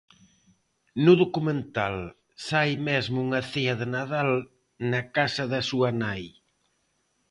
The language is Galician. No documental sae mesmo unha cea de Nadal na casa da súa nai.